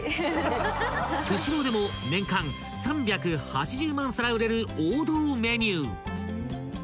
［スシローでも年間３８０万皿売れる王道メニュー］